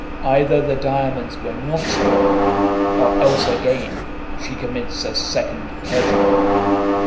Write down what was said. Either the diamonds were not stolen, or else again she commits a second perjury.